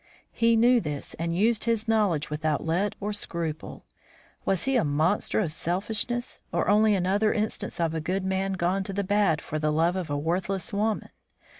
He knew this and used his knowledge without let or scruple. Was he a monster of selfishness, or only another instance of a good man gone to the bad for the love of a worthless woman?